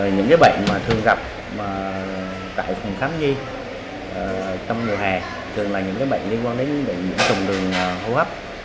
những bệnh thường gặp tại phòng khám nhi trong mùa hè thường là những bệnh liên quan đến bệnh nhiễm trùng đường hô hấp